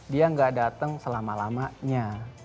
dia gak datang selama lamanya